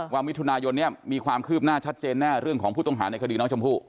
มิถุนายนเนี่ยมีความคืบหน้าชัดเจนแน่เรื่องของผู้ต้องหาในคดีน้องชมพู่